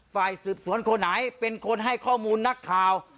ฝ่ายสืบสวนคนไหนเป็นคนให้ข้อมูลนักข่าว